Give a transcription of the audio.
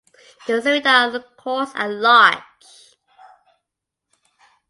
The soredia are coarse and large.